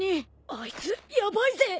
あいつヤバいぜ！